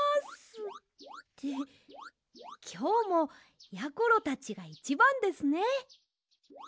ってきょうもやころたちがいちばんですね。